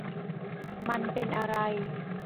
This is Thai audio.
มันเป็นอะไร